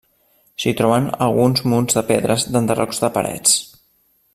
S'hi troben alguns munts de pedres d'enderrocs de parets.